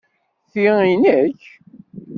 Ti i nekk?